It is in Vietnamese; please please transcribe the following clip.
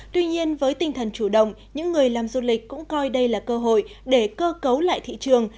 tuy nhiên với tinh thần chủ động những người làm du lịch cũng coi đây là cơ hội để cơ cấu lại thị trường